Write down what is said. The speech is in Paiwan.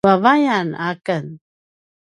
vavayan aken